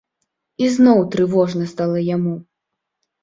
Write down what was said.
І зноў трывожна стала яму.